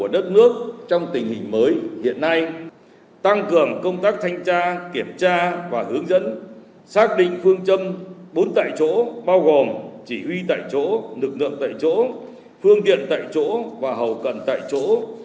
tất cả những người đã hiểu về vụ cháy nổ và chúa bao gồm chí huy tại chỗ nực lượng tại chỗ phương điện tại chỗ và hầu cần tại chỗ